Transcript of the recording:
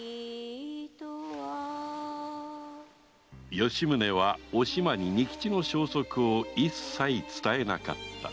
吉宗はお島に仁吉の消息を一切伝えなかった